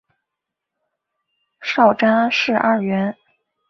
少詹事二员。